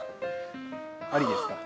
ありですか？